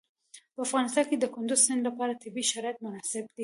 په افغانستان کې د کندز سیند لپاره طبیعي شرایط مناسب دي.